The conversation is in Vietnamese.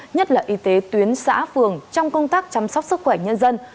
nhất là y tế tuyến xã phường trong công tác chăm sóc sức khỏe nhân dân